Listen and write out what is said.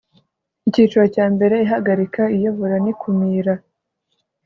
icyiciro cya mbere ihagarika iyobora n ikumira